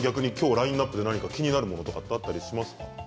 ラインナップで気になるものはありますか？